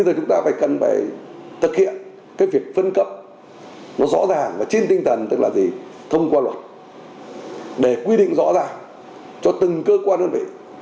thực hiện cái việc phân cấp nó rõ ràng và trên tinh tần tức là gì thông qua luật để quy định rõ ràng cho từng cơ quan đơn vị